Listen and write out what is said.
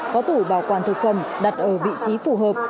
có tủ bảo quản thực phẩm đặt ở vị trí phù hợp